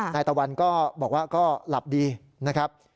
ตะวันก็บอกว่าก็หลับดีนะครับ